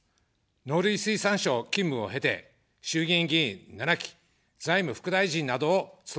農林水産省勤務を経て、衆議院議員７期、財務副大臣などを務めました。